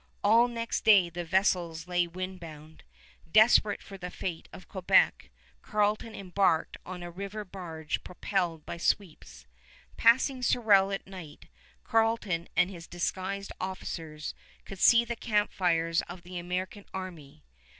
All next day the vessels lay wind bound. Desperate for the fate of Quebec, Carleton embarked on a river barge propelled by sweeps. Passing Sorel at night Carleton and his disguised officers could see the camp fires of the American army.